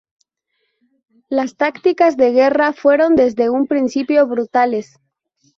Las tácticas de guerra fueron desde un principio brutales.